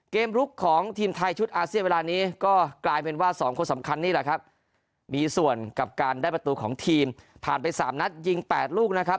ลุกของทีมไทยชุดอาเซียนเวลานี้ก็กลายเป็นว่า๒คนสำคัญนี่แหละครับมีส่วนกับการได้ประตูของทีมผ่านไป๓นัดยิง๘ลูกนะครับ